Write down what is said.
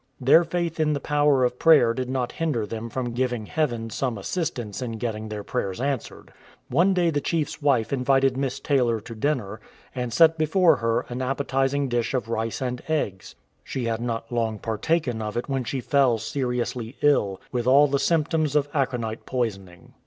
Their faith in the power of prayer did not hinder them from giving Heaven some assistance in getting their prayers answered. One day the chief's wife invited Miss Taylor to dinner, and set before her an appetizing dish of rice and eggs. She had not long partaken of it when she fell seriously ill, with all the symptoms of aconite poisoning.